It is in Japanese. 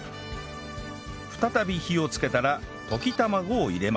再び火をつけたら溶き卵を入れます